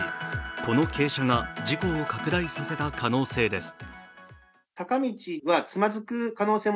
この傾斜が事故を拡大させた可能性です。